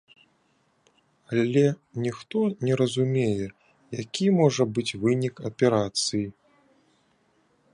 Але ніхто не разумее, які можа быць вынік аперацыі.